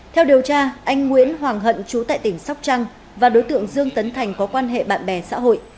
theo điều tra anh nguyễn hoàng hận trú tại tỉnh sóc trăng và đối tượng dương tấn thành có quan hệ bạn bè xã hội